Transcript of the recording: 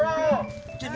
jangan ada corona